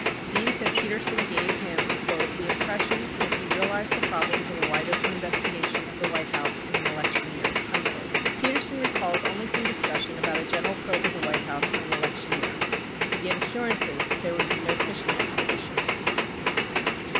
Dean said Petersen gave him "the impression ... that he realized the problems of a wide open investigation of the White House in an election year." 3 Petersen recalls only some discussion about, a general probe of the White House in an election year. He gave assur ances there would be no fishing expedition.